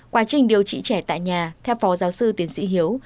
quá trình điều trị trẻ tại nhà theo phó giáo sư tiến sĩ hiếu